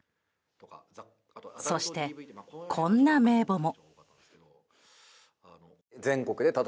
そして、こんな名簿も。